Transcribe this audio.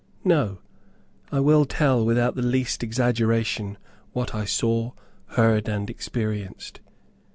No. I will tell, without the least exaggeration what I saw, heard, and experienced.